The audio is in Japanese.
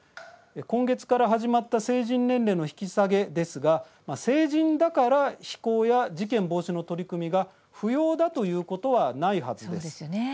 今月から始まった成人年齢の引き下げですが成人だから非行や事件防止の取り組みが不要だということはないはずです。